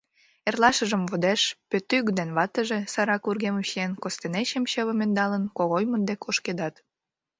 Эрлашыжым водеш Пӧтук ден ватыже, сайрак вургемым чиен, костенечым, чывым ӧндалын, Когоймыт дек ошкедат.